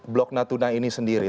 blok natuna ini sendiri